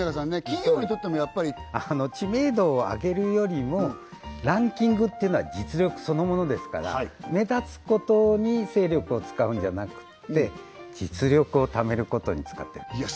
企業にとってもやっぱり知名度を上げるよりもランキングっていうのは実力そのものですから目立つことに精力を使うんじゃなくって実力をためることに使ってるいや